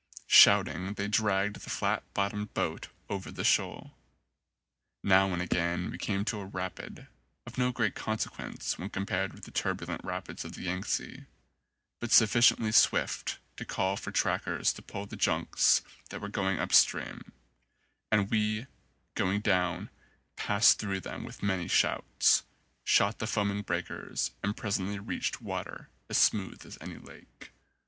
Shouting they dragged the flat bottomed boat over the shoal. Now and again we came to a rapid, of no great consequence when compared with the turbulent rapids of the Yangtze, but sufficiently swift to call for trackers to pull the junks that were going up stream; and we, going down, passed through them with many shouts, shot the foaming breakers and presently reached water as smooth as any lake.